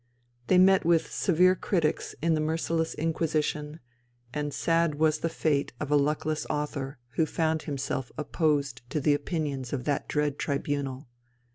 They met with severe critics in the merciless Inquisition, and sad was the fate of a luckless author who found himself opposed to the opinions of that dread tribunal.